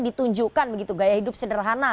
ditunjukkan begitu gaya hidup sederhana